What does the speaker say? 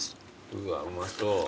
うわうまそう。